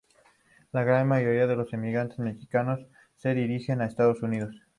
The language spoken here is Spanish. La gran mayoría de los emigrantes mexicanos se dirigen a los Estados Unidos.